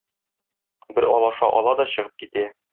Бер алаша ала да чыгып китә.